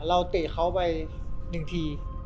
เราเตะเขาไป๑ที